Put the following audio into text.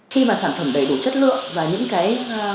khi mà sản phẩm đầy đủ chất lượng và những cái